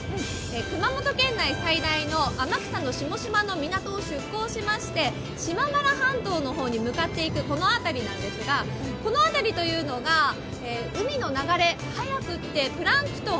熊本県内最大の天草の下島の港を出港しまして島原半島の方に向かっていくこの辺りなんですが、この辺りというのが海の流れ、速くてプランクトン